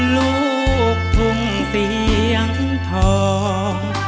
ลูกทุ่งเสียงทอง